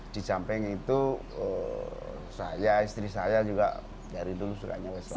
di samping itu saya istri saya juga dari dulu sukanya ke sana